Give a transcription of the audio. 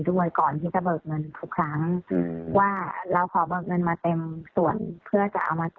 ต้องจ่ายค่าเสียหายคุณน้ำเมื่อวาน